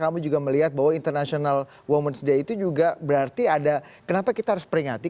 kamu juga melihat bahwa international women's day itu juga berarti ada kenapa kita harus peringati